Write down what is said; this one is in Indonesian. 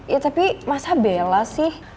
ya tapi masa bela sih